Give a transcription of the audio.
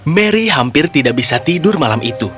mary hampir tidak bisa tidur malam itu